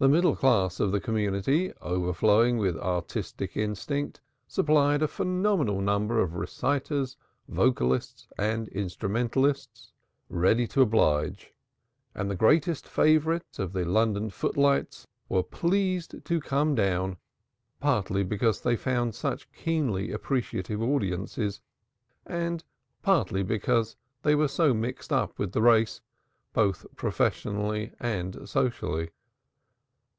The middle classes of the community, overflowing with artistic instinct, supplied a phenomenal number of reciters, vocalists and instrumentalists ready to oblige, and the greatest favorites of the London footlights were pleased to come down, partly because they found such keenly appreciative audiences, and partly because they were so much mixed up with the race, both professionally and socially.